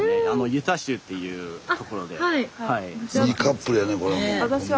スタジオいいカップルやねこれも。